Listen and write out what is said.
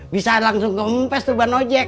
bisa langsung kempes tuh ban ojek